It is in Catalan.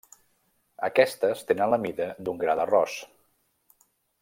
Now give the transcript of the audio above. Aquestes tenen la mida d'un gra d'arròs.